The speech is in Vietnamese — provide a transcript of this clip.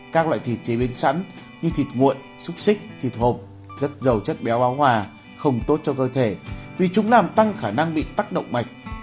các loại thịt chế biến sẵn như thịt muộn xúc xích thịt hộp rất giàu chất béo báo hòa không tốt cho cơ thể vì chúng làm tăng khả năng bị tắc động mạch